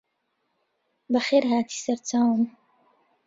بەخێرهاتی سەرچاوم